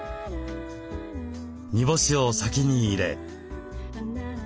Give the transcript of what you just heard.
煮干しを先に入れ。